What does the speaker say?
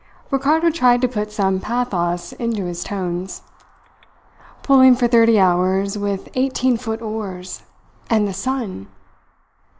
Ricardo tried to put some pathos into his tones. Pulling for thirty hours with eighteen foot oars! And the sun!